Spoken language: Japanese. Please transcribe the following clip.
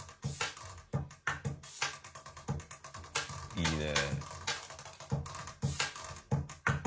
いいね。